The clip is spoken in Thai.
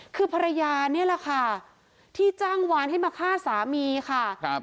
คือภรรยานี่แหละค่ะที่จ้างวานให้มาฆ่าสามีค่ะครับ